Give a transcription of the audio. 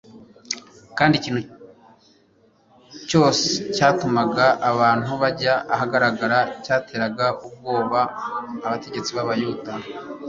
kandi ikintu cyose cyatumaga abantu bajya ahagaragara cyateraga ubwoba abategetsi b’Abayuda.